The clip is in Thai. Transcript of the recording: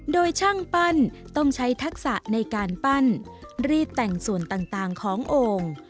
โดยช่างปั้นต้องใช้ทักษะในการปั้นรีดแต่งส่วนต่างของโอ่ง